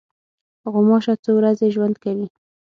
غوماشه څو ورځې ژوند کوي.